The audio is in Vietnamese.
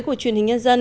của truyền hình nhân dân